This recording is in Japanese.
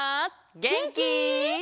げんき？